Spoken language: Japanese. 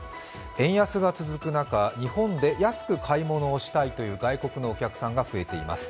円安が続く中、日本で安く買い物をしたいという外国のお客様が増えています。